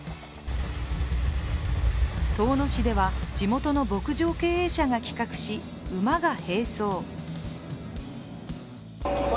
遠野市では、地元の牧場経営者が企画し馬が並走。